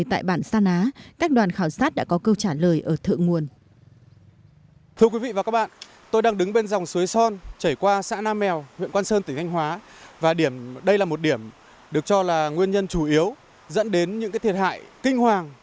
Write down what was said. tại bản sa ná các đoàn khảo sát đã có câu trả lời ở thượng nguồn